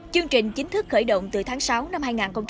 chương trình chính thức khởi động từ tháng sáu năm hai nghìn một mươi chín